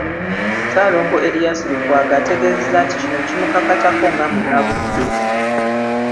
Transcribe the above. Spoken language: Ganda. Ssaalongo Erias Lukwago ategeezezza nti kino kimukakatako nga munnabuddu